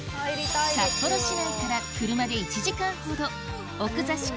札幌市内から車で１時間ほど奥座敷